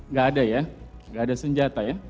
enggak ada ya enggak ada senjata ya